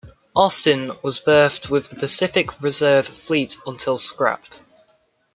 "Austin" was berthed with the Pacific Reserve Fleet until scrapped.